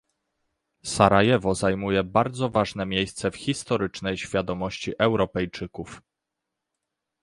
Sarajewo zajmuje bardzo ważne miejsce w historycznej świadomości Europejczyków